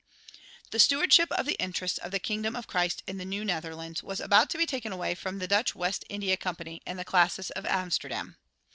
The stewardship of the interests of the kingdom of Christ in the New Netherlands was about to be taken away from the Dutch West India Company and the classis of Amsterdam.